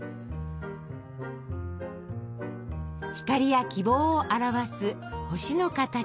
光や希望を表す星の形。